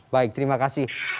baik terima kasih